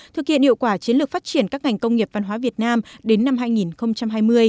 thực hiện hiệu quả chiến lược phát triển các ngành công nghiệp văn hóa việt nam đến năm hai nghìn hai mươi